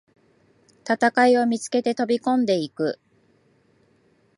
戦いを見つけて飛びこんでいく